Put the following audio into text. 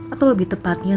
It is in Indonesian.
atau lebih tepatnya